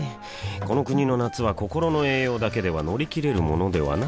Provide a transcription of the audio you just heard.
この国の夏は心の栄養だけでは乗り切れるものではない